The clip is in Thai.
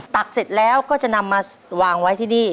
เสร็จแล้วก็จะนำมาวางไว้ที่นี่